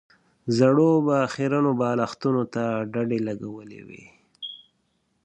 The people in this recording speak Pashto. زړو به خيرنو بالښتونو ته ډډې لګولې وې.